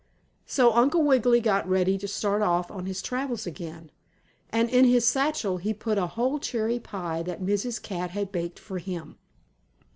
So Uncle Wiggily got ready to start off on his travels again, and in his satchel he put a whole cherry pie that Mrs. Cat had baked for him.